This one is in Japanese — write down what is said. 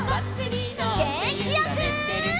げんきよく！